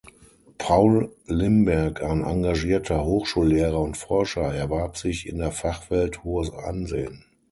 Paul Limberg, ein engagierter Hochschullehrer und Forscher, erwarb sich in der Fachwelt hohes Ansehen.